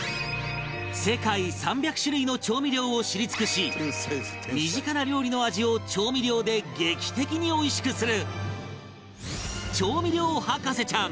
世界３００種類の調味料を知り尽くし身近な料理の味を調味料で劇的においしくする